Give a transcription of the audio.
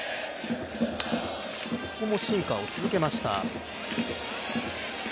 ここもシンカーを続けました。